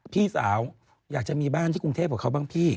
พี่สาวอยากจะมีบ้านที่กรุงเทพกับเขาบ้างพี่